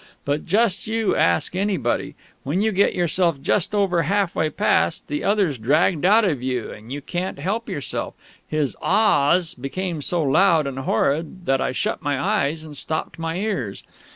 But just you ask anybody: When you get yourself just over half way passed, the other's dragged out of you, and you can't help yourself. His "Aaaaahs!" became so loud and horrid that I shut my eyes and stopped my ears....